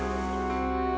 begitu pula para jahat